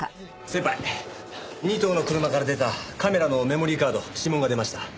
先輩仁藤の車から出たカメラのメモリーカード指紋が出ました。